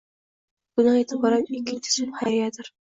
Bugundan e'tiboran ikkinchn ismim Xayriyadir.